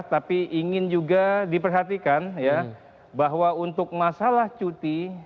tapi ingin juga diperhatikan ya bahwa untuk masalah cuti